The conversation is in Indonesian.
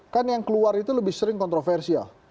kan yang keluar itu lebih sering kontroversial